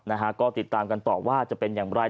นะฮะก็ติดตามกันต่อว่าจะเป็นอย่างไร